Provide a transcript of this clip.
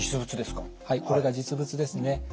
これが実物ですね。